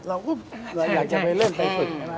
เราก็อยากจะไปเล่นไปฝึกใช่ไหม